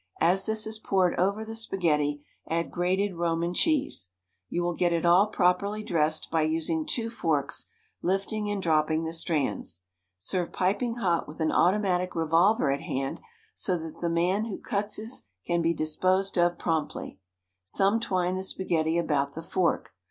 As this is poured over the spaghetti add grated Roman cheese. You will get it all properly dressed by using two forks, lifting and dropping the strands. Serve piping hot with an automatic revolver at hand so that the man who cuts his can be disposed of promptly. Some twine the spaghetti about the fork.